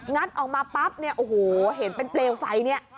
ัดออกมาปั๊บเนี่ยโอ้โหเห็นเป็นเปลวไฟเนี่ย